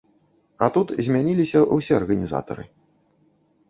А тут змяніліся ўсе арганізатары.